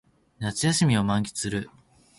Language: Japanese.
夏休みを満喫する